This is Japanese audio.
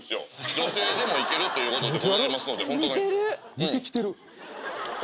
女性でもいけるということでございますのでホントねうん